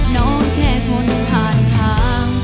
น้องแค่คนผ่านทาง